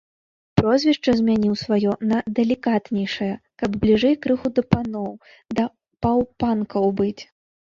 Прозвішча змяніў сваё на далікатнейшае, каб бліжэй крыху да паноў, да паўпанкаў быць.